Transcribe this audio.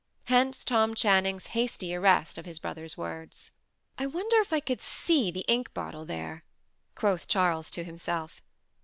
Hence Tom Channing's hasty arrest of his brother's words. "I wonder if I could see the ink bottle there?" quoth Charles to himself.